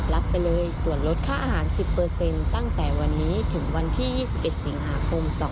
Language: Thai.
รับไปเลยส่วนลดค่าอาหาร๑๐ตั้งแต่วันนี้ถึงวันที่๒๑สิงหาคม๒๕๖